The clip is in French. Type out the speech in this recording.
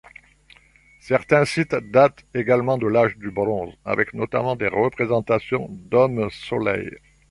Certains sites datent également de l'âge du bronze, avec notamment des représentations d'hommes-soleil.